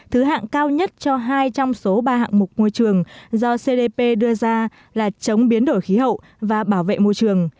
thứ hạng cao nhất cho hai trong số ba hạng mục môi trường do cdp đưa ra là chống biến đổi khí hậu và bảo vệ môi trường